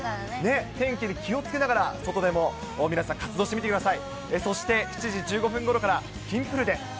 天気に気をつけながら、外でも皆さん、活動してみてください。